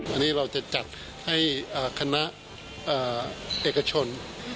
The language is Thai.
อันนี้เราจะจัดให้คณะเอกชน